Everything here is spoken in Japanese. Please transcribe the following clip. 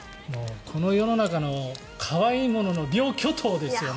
この世の中の可愛いものの両巨塔ですよね。